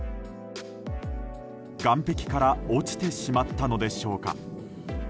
岸壁から落ちてしまったのでしょうか。